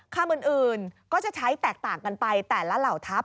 คำอื่นก็จะใช้แตกต่างกันไปแต่ละเหล่าทัพ